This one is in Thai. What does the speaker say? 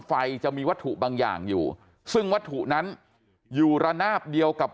จะมีวัตถุบางอย่างอยู่ซึ่งวัตถุนั้นอยู่ระนาบเดียวกับ